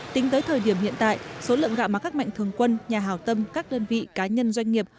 tính tới thời điểm hiện tại số lượng gạo mà các mạnh thường quân nhà hào tâm các đơn vị cá nhân doanh nghiệp